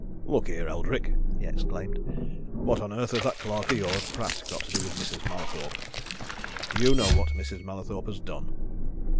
"Look here, Eldrick!" he exclaimed. "What on earth has that clerk of yours, Pratt, got to do with Mrs. Mallathorpe? Do you know what Mrs. Mallathorpe has done?